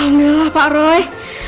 alhamdulillah pak roy